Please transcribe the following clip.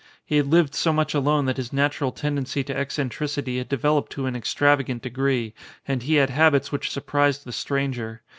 He had lived so much alone that his natural tendency to eccentricity had developed to an extravagant de gree, and he had habits which surprised the stranger.